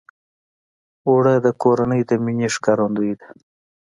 اوړه د کورنۍ د مینې ښکارندویي ده